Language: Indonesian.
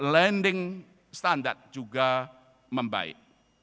lending standard juga membaik